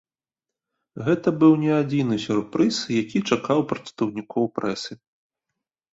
Гэта быў не адзіны сюрпрыз, які чакаў прадстаўнікоў прэсы.